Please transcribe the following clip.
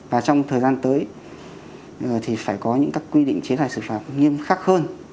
và trong thời gian tới phải có những quy định chế tài xử phạt nghiêm khắc hơn